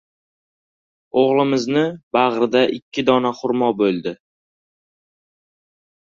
O‘g‘limizni bag‘rida ikki dona xurmo bo‘ldi.